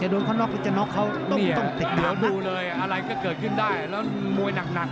โดนเขาน็อกหรือจะน็อกเขาต้องหนาวดูเลยอะไรก็เกิดขึ้นได้แล้วมวยหนัก